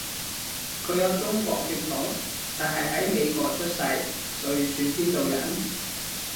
佢有中國血統，但係喺美國出世，所以算邊度人？